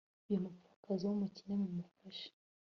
uyu mupfakazi w'umukene mumufashe